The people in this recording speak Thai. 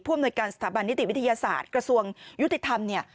อำนวยการสถาบันนิติวิทยาศาสตร์กระทรวงยุติธรรมเนี่ย